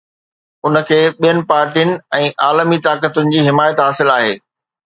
ان کي ٻين پارٽين ۽ عالمي طاقتن جي حمايت حاصل آهي.